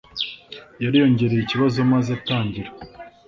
Yari yongereye ikibazo maze atangira